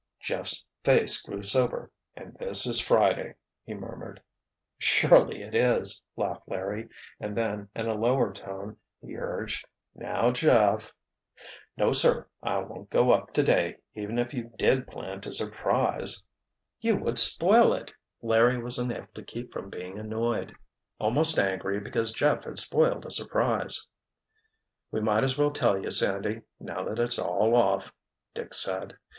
Jeff's face grew sober. "And this is Friday!" he murmured. "Surely it is," laughed Larry, and then, in a lower tone, he urged, "now, Jeff——" "No, sir! I won't go up, today, even if you did plan to surprise——" "You would spoil it!" Larry was unable to keep from being annoyed, almost angry, because Jeff had spoiled a surprise. "We might as well tell you, Sandy, now that it's 'all off'," Dick said.